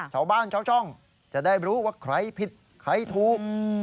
ชาวบ้านชาวช่องจะได้รู้ว่าใครผิดใครถูก